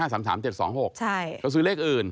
เขาซื้อเลขอื่น